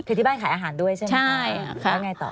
คือที่บ้านขายอาหารด้วยใช่ไหมใช่แล้วไงต่อ